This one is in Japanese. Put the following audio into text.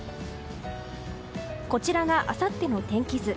こちらがあさっての天気図。